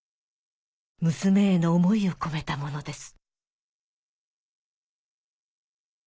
娘への思いを込めたものです